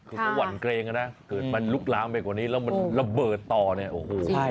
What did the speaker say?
คือว่าหวั่นเกรงนะคือมันลุกล้ามไปกว่านี้แล้วมันระเบิดต่อเนี่ย